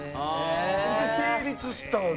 それで成立したのんで